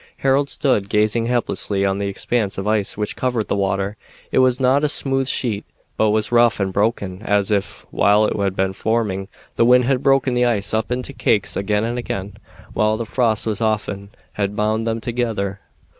Harold stood gazing helplessly on the expanse of ice which covered the water. It was not a smooth sheet, but was rough and broken, as if, while it had been forming, the wind had broken the ice up into cakes again and again, while the frost as often had bound them together.